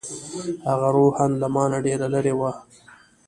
هغه روحاً له ما نه ډېره لرې وه.